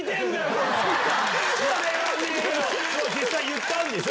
実際言ったんでしょ？